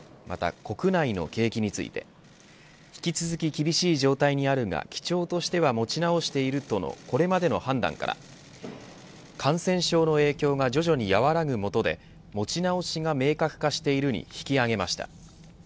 また、国内の景気について引き続き厳しい状態にあるが基調としては持ち直しているとのこれまでの判断から感染症の影響が徐々に和らぐ元で持ち直しが明確化しているに引き上げました。